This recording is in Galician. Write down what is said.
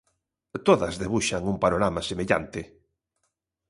Todas debuxan un panorama semellante.